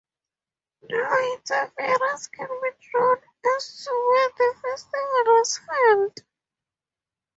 No inference can be drawn as to where the festival was held.